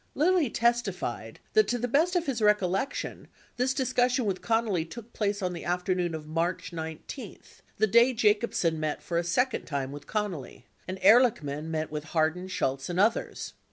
35 687 0 74 42 640 Lilly testified that, to the best of his recollection, this discussion with Connally took place on the afternoon of March 19," the day Jacobsen met for a second time with Connally — and Ehrlichman met with Hardin, Shultz, and others.